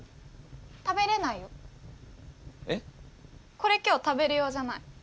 これ今日食べる用じゃない。